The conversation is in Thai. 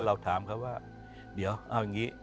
เราถามเขาว่าเดี๋ยวเอาอย่างนี้